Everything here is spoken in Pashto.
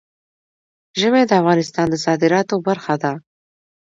ژمی د افغانستان د صادراتو برخه ده.